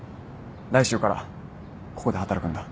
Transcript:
来週からここで働くんだ。